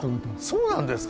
そうなんですか。